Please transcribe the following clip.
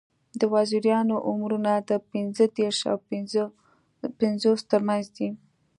د وزیرانو عمرونه د پینځه دیرش او پینځوس تر منځ دي.